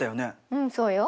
うんそうよ。